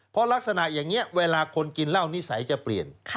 เพราะลักษณะอย่างนี้เวลาคนกินเหล้านิสัยจะเปลี่ยน